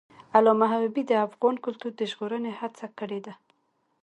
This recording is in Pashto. علامه حبیبي د افغان کلتور د ژغورنې هڅې کړی دي.